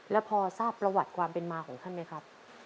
แล้วพอทราบประวัติความเป็นมาของท่านไหมครับ